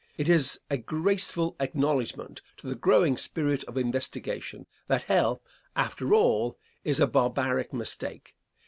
It is a graceful acknowledgment to the growing spirit of investigation, that hell, after all, is a barbaric mistake.